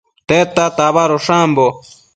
Tedta tabadosh ambo?